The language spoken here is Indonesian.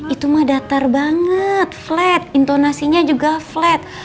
itu mah datar banget flat intonasinya juga flat